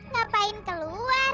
hah gapain keluar